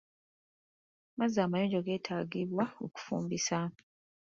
Amazzi amayonjo geetaagibwa okufumbisa.